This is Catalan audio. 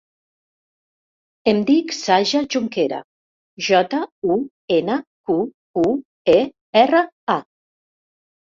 Em dic Saja Junquera: jota, u, ena, cu, u, e, erra, a.